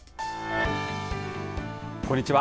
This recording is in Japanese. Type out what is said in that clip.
こんにちは。